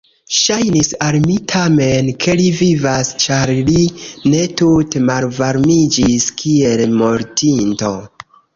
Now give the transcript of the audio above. Ŝajnis al mi tamen, ke li vivas, ĉar li ne tute malvarmiĝis kiel mortinto.